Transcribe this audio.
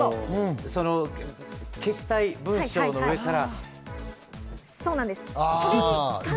消したい文章の上から。